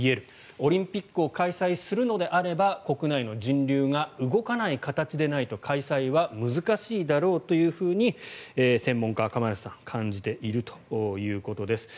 オリンピックを開催するのであれば国内の人流が動かない形でないと開催は難しいだろうと専門家の釜萢さんは感じているということです。